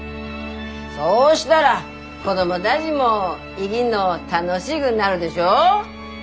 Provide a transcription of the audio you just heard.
そうしたら子供だぢも生ぎんの楽しぐなるでしょう。